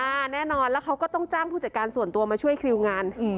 แน่นอนแล้วเขาก็ต้องจ้างผู้จัดการส่วนตัวมาช่วยคิวงานอืม